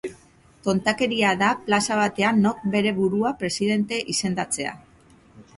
Tontakeria da plaza batean nork bere burua presidente izendatzea.